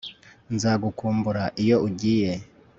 nzagukumbura iyo ugiye